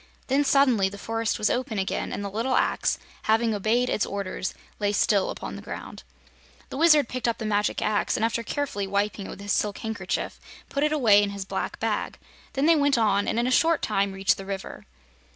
Then, suddenly, the forest was open again, and the little axe, having obeyed its orders, lay still upon the ground. The Wizard picked up the magic axe and after carefully wiping it with his silk handkerchief put it away in his black bag. Then they went on and in a short time reached the river.